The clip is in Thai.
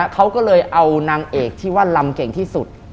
เขาก็เลยเอานางเอกที่ว่าลำเก่งที่สุด